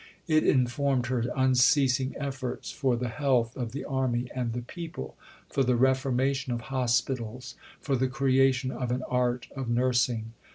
It informed her unceasing efforts for the health of the Army and the people, for the reformation of hospitals, for the creation of an art of nursing.